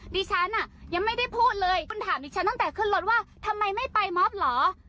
ดิฉันอ่ะยังไม่ได้พูดเลยคุณถามดิฉันตั้งแต่ขึ้นรถว่าทำไมไม่ไปมอบเหรอ